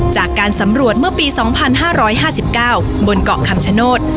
จากการสำรวจเมื่อปี๒๕๕๙บนเกาะคำชโนธ